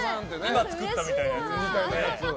今作ったみたいなやつですけど。